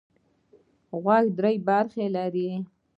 غوږ درې برخې لري.